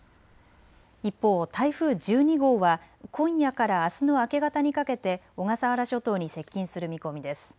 一方、台風１２号は今夜からあすの明け方にかけて小笠原諸島に接近する見込みです。